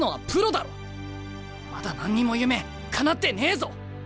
まだ何にも夢かなってねえぞ！